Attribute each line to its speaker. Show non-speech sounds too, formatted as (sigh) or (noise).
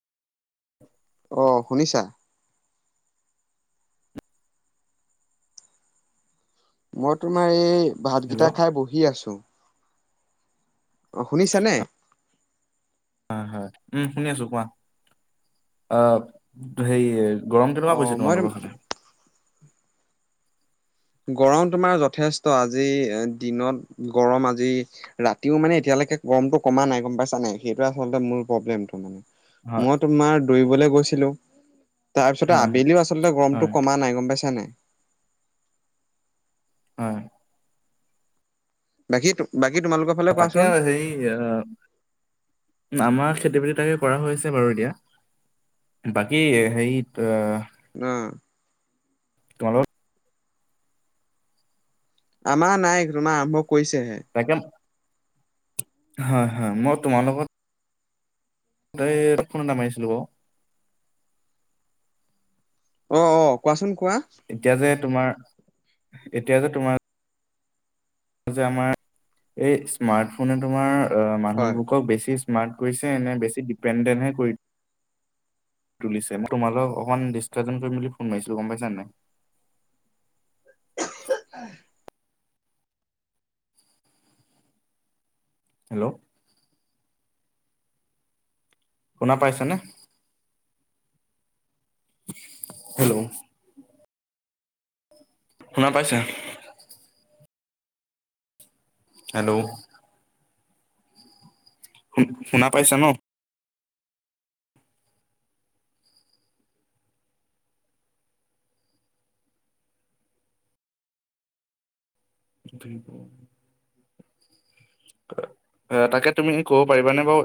Speaker 1: অ', শুনিছা। মই তোমাৰ এই, ভাত
Speaker 2: হেল্ল'
Speaker 1: কিটা খাই বহি আছো। অ', শুনিছা নে?
Speaker 2: হয়, হয়। উম, শুনি আছো কোৱা? অ', হে গৰম
Speaker 1: অ
Speaker 2: কেনেকুৱা পৰিছে
Speaker 1: মই
Speaker 2: তোমালোকৰ ফালে?
Speaker 1: গৰম তোমাৰ যথেষ্ট, আজি দিনত গৰম আজি ৰাতিও মানে এতিয়ালৈকে গমৰটো কমা নাই গম পাইছা নাই, সেইটোৱে আচলতে মোৰ প্ৰব্লেমটো মানে।
Speaker 2: হয়
Speaker 1: মই তোমাৰ দৌৰিবলে গৈছিলো। তাৰপিছতে
Speaker 2: হয়
Speaker 1: আবেলিও আচলতে
Speaker 2: হয়
Speaker 1: গৰমটো কমা নাই, গম পাইছা নাই?
Speaker 2: হয়।
Speaker 1: বাকী, বাকী তোমালোকৰ ফালে
Speaker 2: তাকে
Speaker 1: কোৱাচোন
Speaker 2: আৰু হেৰি, আমাৰ খেতি বাতি তাকে কৰা হৈছে বাৰু এতিয়া। বাকী হেৰিত
Speaker 1: উম।
Speaker 2: তোমালোক
Speaker 1: আমাৰ নাই, তোমাৰ আৰম্ভ কৰিছেহে।
Speaker 2: তাকে হয়, হয়, মই তোমাৰ লগত (unintelligible) ফোনত (unintelligible)
Speaker 1: অ', অ', কোৱাচোন, কোৱা?
Speaker 2: এতিয়া যে তোমাৰ, এতিয়া যে তোমাৰ যে আমাৰ, এই স্মাৰ্ট ফোনে তোমাৰ অ'
Speaker 1: হয়
Speaker 2: মানুহবোৰকক বেছি স্মাৰ্ট কৰিছে নে, বেছি ডিপেণ্ডেণ্টহে কৰি তুলিছে, মই তোমালোক অকমান ডিছকাছন কৰিম বুলি ফোন মাৰিছিলো গম পাইছা নাই?
Speaker 1: (unintelligible)
Speaker 2: হেল্ল'? শুনা পাইছানে? হেল্ল'? শুনা পাইছা? হেল্ল'? শু-শুনা পাইছা নহ? (unintelligible) তা-তাকে তুমি ক'ব পাৰিবানে বাৰু